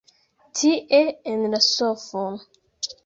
Tie en la sofon.